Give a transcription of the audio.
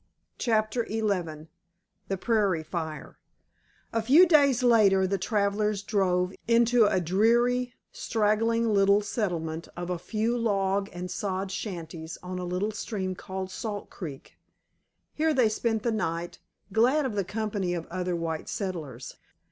*CHAPTER XI* *THE PRAIRIE FIRE* A few days later the travelers drove into a dreary, straggling little settlement of a few log and sod shanties on a little stream called Salt Creek. Here they spent the night, glad of the company of other white settlers.